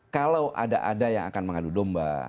kalau ada ada yang akan mengadu domba